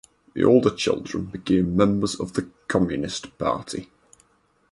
The older children became members of the Communist Party.